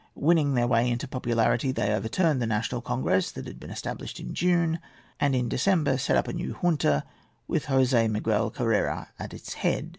Winning their way into popularity, they overturned the national congress that had been established in June, and in December set up a new junta, with Jose Miguel Carrera at its head.